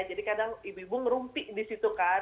jadi kadang ibu ibu merumpik di situ kan